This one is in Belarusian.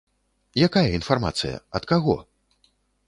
Якая інфармацыя, ад каго?